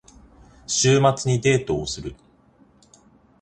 週末にデートをする。